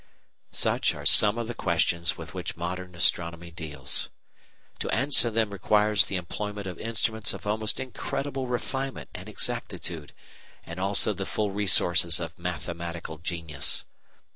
Such are some of the questions with which modern astronomy deals. To answer them requires the employment of instruments of almost incredible refinement and exactitude and also the full resources of mathematical genius.